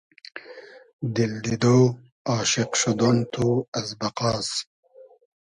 دیل دیدۉ ، آشوق شودۉن تو از بئقاس